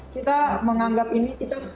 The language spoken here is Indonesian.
kita menganggap ini